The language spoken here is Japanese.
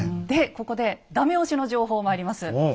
でここでダメ押しの情報があります。